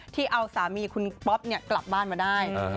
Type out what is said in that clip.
ที่เอาสามีคุณป๊อปกลับบ้านมาได้